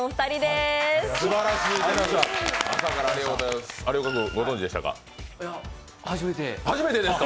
すばらしいです。